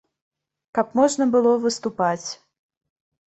Каб можна было выступаць.